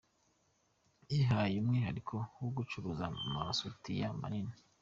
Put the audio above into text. Yihaye umwihariko wo gucuruza amasutiya manini